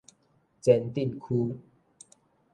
前鎮區